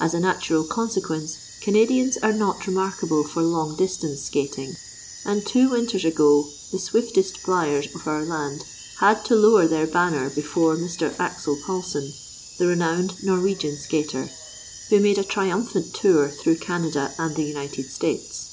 As a natural consequence, Canadians are not remarkable for long distance skating; and two winters ago the swiftest fliers of our land had to lower their banner before Mr. Axel Paulsen, the renowned Norwegian skater, who made a triumphant tour through Canada and the United States.